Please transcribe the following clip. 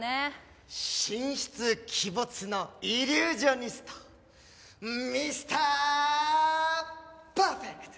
神出鬼没のイリュージョニストミスター・パーフェクト！